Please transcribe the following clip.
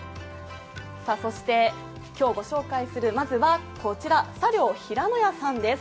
そして今日ご紹介するまずはこちら茶寮平野屋さんです。